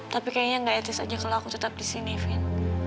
tapi kayaknya nggak etis aja kalau aku tetap di sini vin